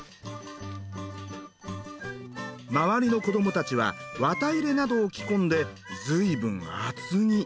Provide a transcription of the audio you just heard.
周りの子どもたちは綿入れなどを着込んでずいぶん厚着。